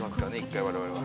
１回我々は。